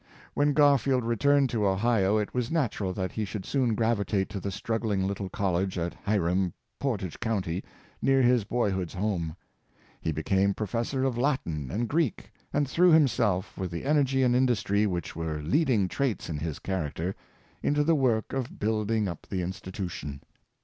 When Garfield returned to Ohio it was natural that he should soon gravitate to the struggling little 174 yames A. Garfield. college at Hiram, Portage County, near his boyhood's home. H,e became Professor of Latin and Greek, and threw himself, with the energy and industry which were leading traits in his character, into the work of build ing up the institution.